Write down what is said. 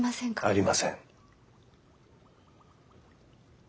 ありません。